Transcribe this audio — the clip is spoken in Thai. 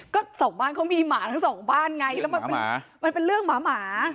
ก็สองบ้านเขามีหมาทั้งสองบ้านไงแล้วมันเป็นเรื่องหมา